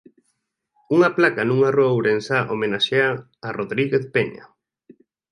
Unha placa nunha rúa ourensá homenaxea a Rodríguez Peña